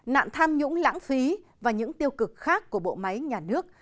nạn tham nhũng lãng phí và những tiêu cực khác của bộ máy nhà nước